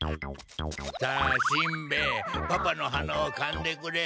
さあしんべヱパパのはなをかんでくれ。